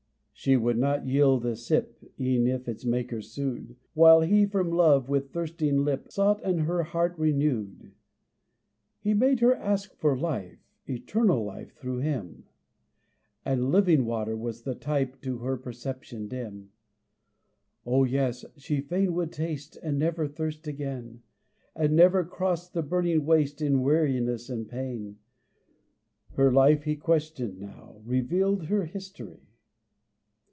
She would not yield a sip E'en if its maker sued, While he from love, with thirsting lip, Sought and her heart renewed. He made her ask for life, Eternal life through him, And "living water" was the type To her perception dim. O yes! She fain would taste And never thirst again, And never cross the burning waste In weariness and pain! Her life he questioned now; Revealed her history.